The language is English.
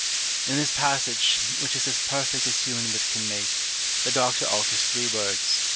In this passage, which is as perfect as human wit can make, the Doctor alters three words.